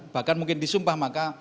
bahkan mungkin disumpah maka